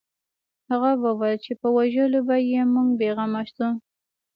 هغه وویل چې په وژلو به یې موږ بې غمه شو